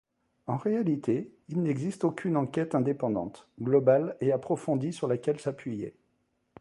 En réalité, il n’existe aucune enquête indépendante, globale et approfondie sur laquelle s’appuyer.